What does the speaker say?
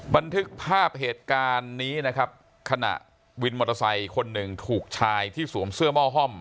บันทึกภาพเหตุการณ์นี้นะครับขณะวินมอเตอร์ไซค์คนหนึ่งถูกชายที่สวมเสื้อหม้อห้อม